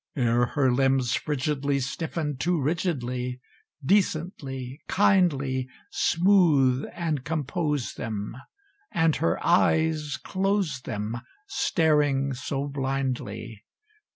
Ere her limbs frigidly Stiffen too rigidly, Decently, kindly, Smooth, and compose them; And her eyes, close them, Staring so blindly!